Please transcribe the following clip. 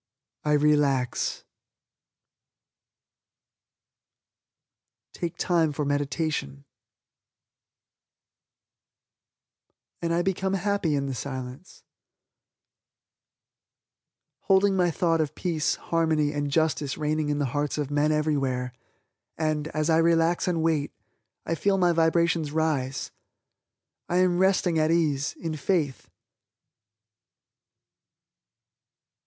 I relax (here pause and wait), take time for meditation (here pause and rest relaxed) and I become happy in the silence holding my thought of peace, harmony and justice reigning in the hearts of men everywhere and, as I relax and wait, I feel my vibrations rise. I am resting at ease, in faith.